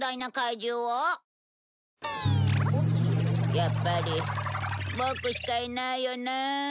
やっぱりボクしかいないよなあ。